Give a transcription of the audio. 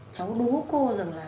cháu đố cô rằng là